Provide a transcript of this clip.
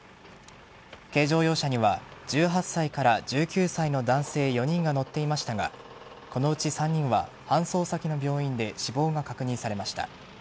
軽乗用車には１８歳から１９歳の男性４人が乗っていましたがこのうち３人は搬送先の病院で死亡が確認されました。